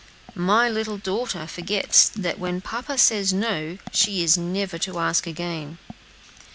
"My little daughter forgets that when papa says no, she is never to ask again."